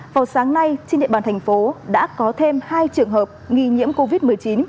vào sáng nay trên địa bàn thành phố đã có thêm hai trường hợp nghi nhiễm covid một mươi chín